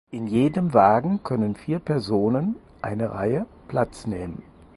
In jedem Wagen können vier Personen (eine Reihe) Platz nehmen.